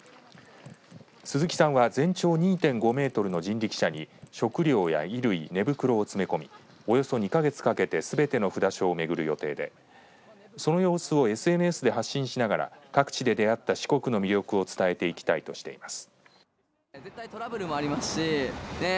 鈴木さんは全長２．５メートルの人力車に食料や衣類、寝袋を詰め込みおよそ２か月かけてすべての札所を巡る予定でその様子をＳＮＳで発信しながら各地で出会った四国の魅力を伝えていきたいとしています。